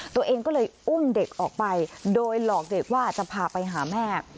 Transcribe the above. ตัวเองก็เลยอุ้มเด็กออกไปโดยหลอกเด็กว่าจะพาไปหาแม่